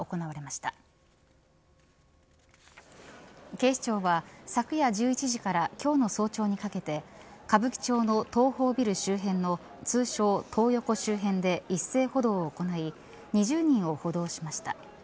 警視庁は昨夜１１時から今日の早朝にかけて歌舞伎町の東宝ビル周辺の通称トー横周辺で一斉補導を行い２０人を補導しました。